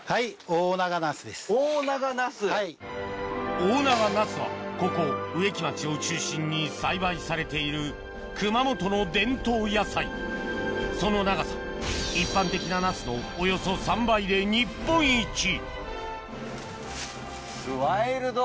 大長なすはここ植木町を中心に栽培されている熊本の伝統野菜その長さ一般的ななすのおよそ３倍で日本一ワイルド！